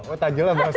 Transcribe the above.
oh takjilnya bakso